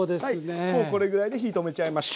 もうこれぐらいで火止めちゃいましょう。